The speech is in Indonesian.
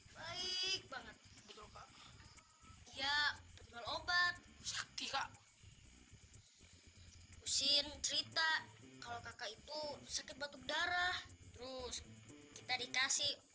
baik banget iya obat obat hai musim cerita kalau kakak itu sakit batuk darah terus kita dikasih